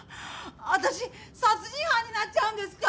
私殺人犯になっちゃうんですか？